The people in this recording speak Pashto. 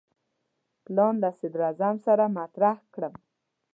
پلان له صدراعظم سره مطرح کړم.